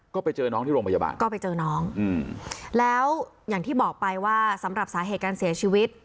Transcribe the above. ก็ไปเจอน้องที่โรงพยาบาลก็ไปเจอน้องอืมแล้วอย่างที่บอกไปว่าสำหรับสาเหตุการเสียชีวิต